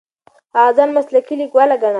هغه ځان مسلکي لیکواله ګڼله.